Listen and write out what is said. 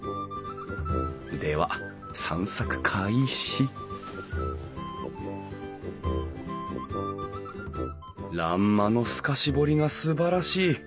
では散策開始欄間の透かし彫りがすばらしい！